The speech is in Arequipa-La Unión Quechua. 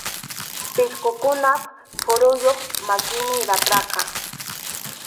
Pisqukunap phuruyuq makinmi rapraqa.